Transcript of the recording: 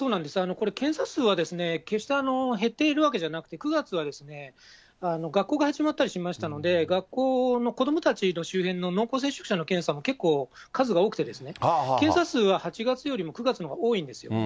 これ、検査数は決して減っているわけじゃなくて、９月は学校が始まったりしましたので、学校の子どもたちの周辺の濃厚接触者の検査も数が多くてですね、検査数は８月よりも９月のほうが多いんですよ。